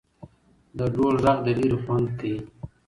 د ډول ږغ د ليري خوند کيي.